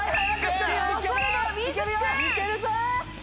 いけるぞ！